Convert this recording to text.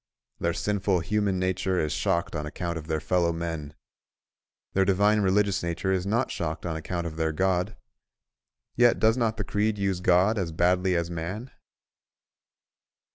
Their sinful human nature is shocked on account of their fellow men; their divine religious nature is not shocked on account of their God: yet does not the creed use God as badly as man?